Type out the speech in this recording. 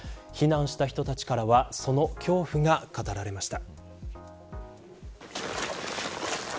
避難した人たちからはその恐怖が語られました。